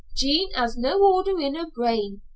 Jean has no order in her brain.